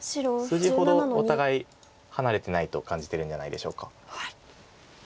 数字ほどお互い離れてないと感じてるんじゃないでしょうか。